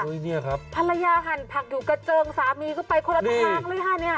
เนี่ยครับภรรยาหั่นผักอยู่กระเจิงสามีก็ไปคนละทางเลยค่ะเนี่ย